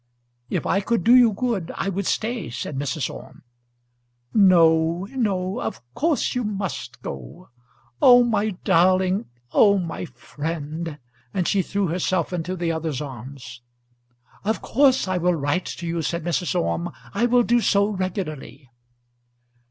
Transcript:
"If I could do you good, I would stay," said Mrs. Orme. "No, no; of course you must go. Oh, my darling, oh, my friend," and she threw herself into the other's arms. "Of course I will write to you," said Mrs. Orme. "I will do so regularly."